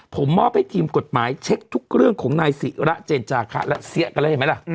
ผมมอบให้ทีมกฎหมายเช็คทุกเรื่องของนายศิระเจนจาคะและเสียกันแล้วเห็นไหมล่ะ